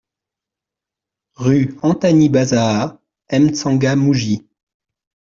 Rue Antanibazaha, M'Tsangamouji